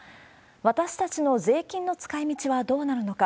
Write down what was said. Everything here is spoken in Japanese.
私たちの税金の使いみちはどうなるのか。